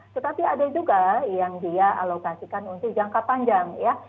tetapi ada juga yang dia alokasikan untuk jangka panjang ya